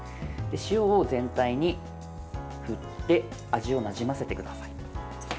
塩を全体に振って味をなじませてください。